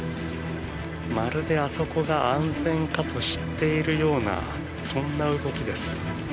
まるであそこが安全かと知っているようなそんな動きです。